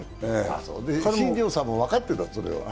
新庄さんも分かってたんだ、それを。